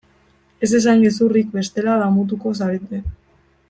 Ez esan gezurrik bestela damutuko zarete.